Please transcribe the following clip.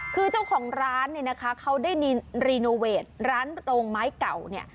คือเจ้าของร้านเนี่ยนะคะเขาได้รีโนเวทร้านโรงไม้เก่าเนี่ย